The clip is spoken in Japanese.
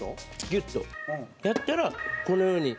ギュッとやったらこのように。